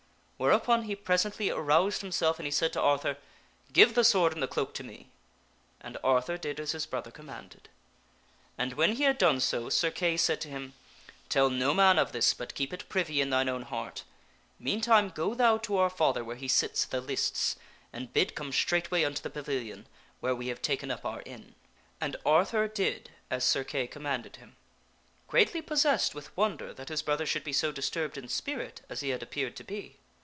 Whereupon he presently aroused himself, and he said to Arthur, " Give the sword and the cloak to me," and Arthur did as his brother commanded. And when he had done so Sir Kay said to him, " Tell no man of this but keep it privy in thine own heart. Mean time go thou to our father where he sits at the lists and bid come straight way unto the pavilion where we have taken up our inn." And Arthur did as Sir Kay commanded him, greatly possessed with wonder that his brother should be so disturbed in spirit as he had appeared to be.